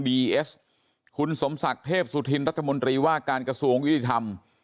เอสคุณสมศักดิ์เทพสุธินรัฐมนตรีว่าการกระทรวงยุติธรรม